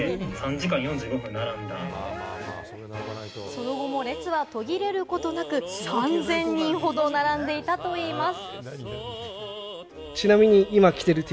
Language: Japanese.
その後も列は途切れることなく、３０００人ほど並んでいたといいます。